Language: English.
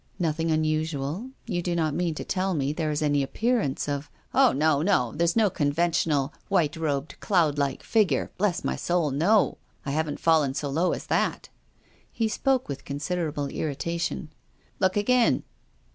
" Nothing unusual. You do not mean to tell me there is any appearance of "" Oh, no, no, there's no conventional, white robed, cloud like figure. Bless my soul, no ! I haven't fallen so low as that." He spoke with considerable irritation. " Look again."